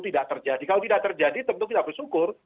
tidak terjadi kalau tidak terjadi tentu kita bersyukur